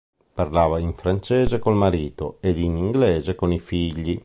Parlava in francese col marito ed in inglese con i figli.